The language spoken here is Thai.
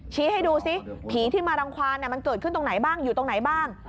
ให้ดูสิผีที่มารังความมันเกิดขึ้นตรงไหนบ้างอยู่ตรงไหนบ้าง